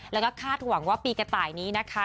แล้วก็คาดหวังว่าปีกระต่ายนี้นะคะ